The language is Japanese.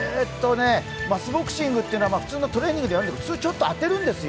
マスボクシングっていうのは普通のトレーニングだと普通ちょっと当てるんですよ。